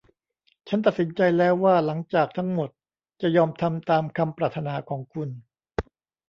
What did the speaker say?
ฉันตัดสินใจแล้วว่าหลังจากทั้งหมด จะยอมทำตามคำปรารถนาของคุณ